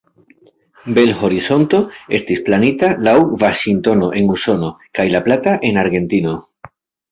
Bel-Horizonto estis planita laŭ Vaŝingtono en Usono kaj La Plata en Argentino.